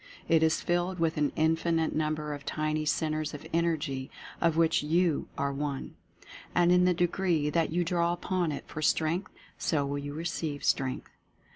It is filled with an infinite number of tiny Centres of Energy, of which YOU are one. And in the degree that you draw upon it for Strength, so will you receive Strength.